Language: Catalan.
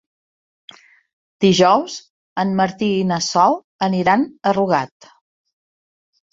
Dijous en Martí i na Sol aniran a Rugat.